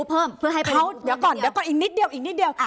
เดี๋ยวก่อนอีกนิดเดียวอีกนิดเดียว